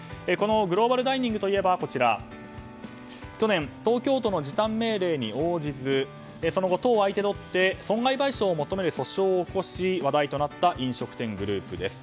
グローバルダイニングといえば去年、東京都の時短命令に応じずその後、都を相手取って損害賠償を求める訴訟を起こし話題となった飲食店グループです。